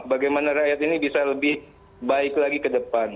bagaimana rakyat ini bisa lebih baik lagi ke depan